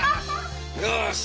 よし！